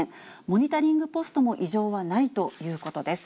モニタリングポストも異常はないということです。